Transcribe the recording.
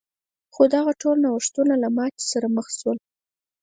خو دغه ټول نوښتونه له ماتې سره مخ شول.